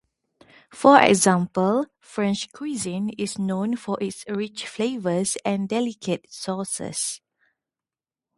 For example, "French cuisine is known for its rich flavors and delicate sauces."